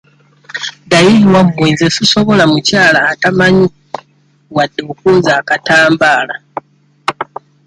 Ddayo ewammwe nze sisobola mukyala atamanyi wadde okwoza akatambaala.